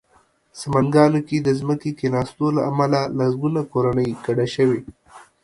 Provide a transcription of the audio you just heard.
سمنګانو کې د ځمکې کېناستو له امله لسګونه کورنۍ کډه شوې